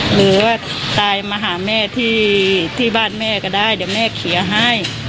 หรือว่าตายมาหาแม่ที่บ้านแม่ก็ได้เดี๋ยวแม่เคลียร์ให้